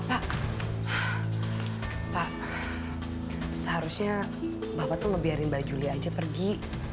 pak seharusnya bapak tuh ngebiarin mbak julia aja pergi